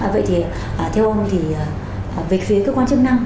vậy thì theo ông thì về phía cơ quan chức năng